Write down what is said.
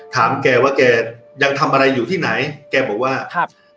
ถามแกว่าแกยังทำอะไรอยู่ที่ไหนแกบอกว่าครับ